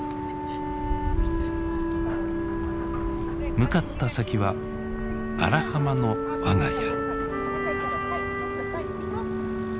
向かった先は荒浜の我が家。